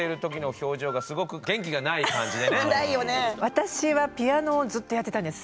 私はピアノをずっとやってたんです。